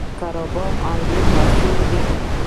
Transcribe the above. د قره باغ انګور مشهور دي